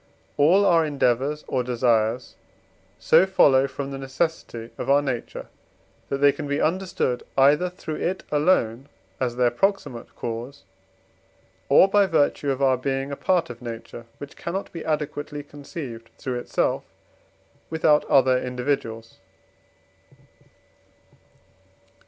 All our endeavours or desires so follow from the necessity of our nature, that they can be understood either through it alone, as their proximate cause, or by virtue of our being a part of nature, which cannot be adequately conceived through itself without other individuals.